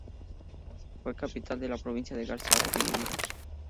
Fue capital de la provincia de García Rovira.